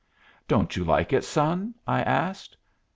"Don't you like it, son?" I asked.